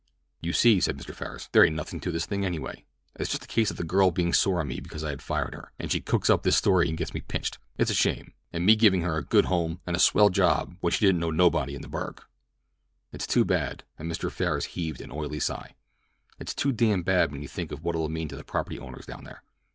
"You see," said Mr. Farris, "there ain't nothin' to this thing, anyway. It's just a case of the girl bein' sore on me because I had fired her, so she cooks up this story and gets me pinched. It's a shame, and me giving her a good home and a swell job when she didn't know nobody in the burg. "It's too bad," and Mr. Farris heaved an oily sigh. "It's too damn bad when you think of what it'll mean to the property owners down there.